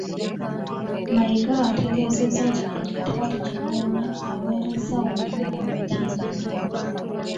Mayiga ategeezezza nti Dokitaali Kigonya aweerezza Obuganda mu biti eby'enjawulo.